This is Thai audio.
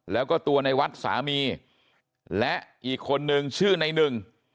แล้วก็ตัวในวัดสามีและอีกคนนึงชื่อในหนึ่ง